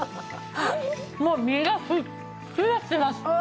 もう身がふっくらしてます。